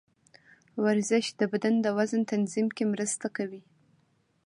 ورزش د بدن د وزن تنظیم کې مرسته کوي.